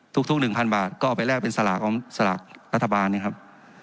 ทุก๑๐๐๐บาทก็เอาไปแลกเป็นสลากของสลากรัฐบาลนะครับ